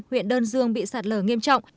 huyện đơn dương bị sạt lở nghiêm trọng